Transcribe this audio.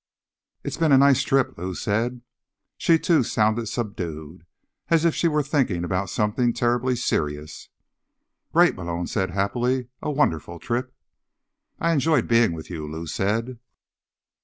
"It's been a nice trip," Lou said. She, too, sounded subdued, as if she were thinking about something terribly serious. "Great," Malone said happily. "A wonderful trip." "I enjoyed being with you," Lou said.